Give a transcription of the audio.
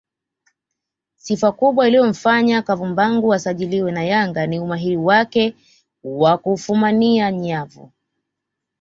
Sifa kubwa iliyomfanya Kavumbagu asajiliwe na Yanga ni umahiri wake wa kufumania nyavu